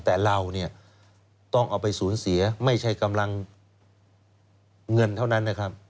แต่เราต้องเอาไปศูนย์เสียไม่ใช่เงินเท่านั้น